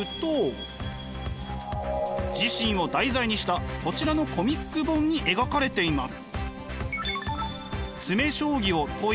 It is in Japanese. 自身を題材にしたこちらのコミック本に描かれています。